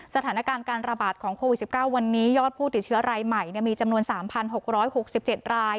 สถานการณ์การระบาดของโควิด๑๙วันนี้ยอดผู้ติดเชื้อรายใหม่มีจำนวน๓๖๖๗ราย